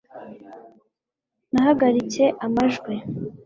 nahagaritse amajwi